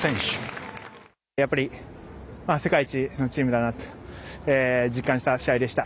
やっぱり世界一のチームだなと実感した試合でした。